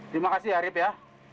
terima kasih ya rip ya